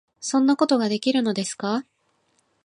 「そんなことができるのですか？」